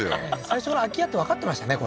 最初から空き家ってわかってましたね